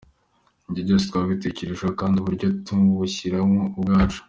Ibyo byose twabitekerejeho kandi uburyo tubwishakamo ubwacu.